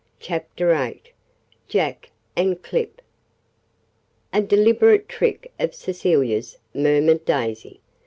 CHAPTER VIII JACK AND CLIP "A deliberate trick of Cecilia's," murmured Daisy.